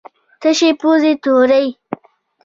تشې پوزې توروي.